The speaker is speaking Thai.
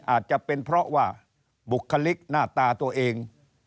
อาจจะเป็นเพราะว่าบุคลิกหน้าตาตัวเอง